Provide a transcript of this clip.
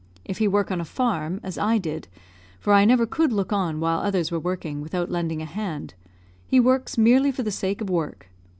If he work on a farm, as I did, for I never could look on while others were working without lending a hand, he works merely for the sake of work.